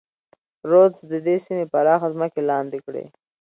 رودز د دې سیمې پراخه ځمکې لاندې کړې.